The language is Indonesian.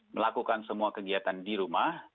melakukan semua kegiatan di rumah